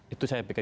itu saya pikir